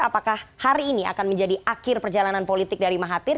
apakah hari ini akan menjadi akhir perjalanan politik dari mahathir